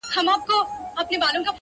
o شاوخوا یې بیا پر قبر ماجر جوړ کئ,